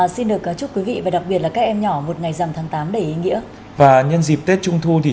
xin chào và hẹn gặp lại